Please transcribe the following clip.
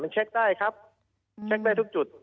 มันเช็กได้ครับมันเช็กได้ทุกจุด